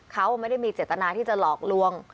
เขาไม่ได้มีเจตนาที่จะหลอกลวง